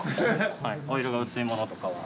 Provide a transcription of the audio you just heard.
はいお色が薄いものとかは。